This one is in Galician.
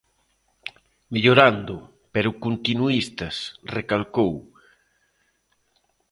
Mellorando, pero continuístas, recalcou.